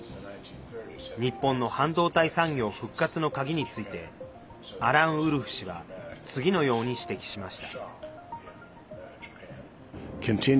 日本の半導体産業復活の鍵についてアラン・ウルフ氏は次のように指摘しました。